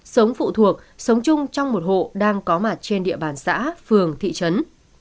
sống phụ thuộc sống chung trong một hộ đang có mặt trên địa bàn xã phường thị trấn